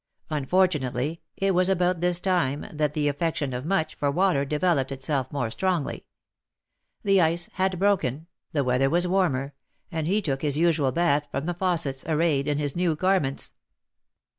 Unfortunately, it was about this same time that the affection of Much for water developed itself more strongly. The ice had broken ; the weather was warmer, and he took his usual bath from the faucets, arrayed in his new garments.